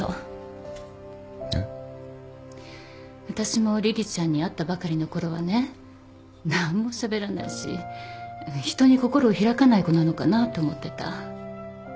私もりりちゃんに会ったばかりのころはね何もしゃべらないし人に心を開かない子なのかなって思ってた。